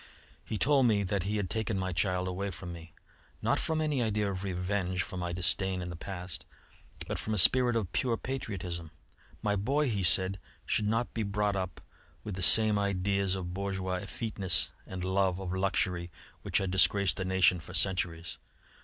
He told me that he had taken my child away from me, not from any idea of revenge for my disdain in the past, but from a spirit of pure patriotism. My boy, he said, should not be brought up with the same ideas of bourgeois effeteness and love of luxury which had disgraced the nation for centuries.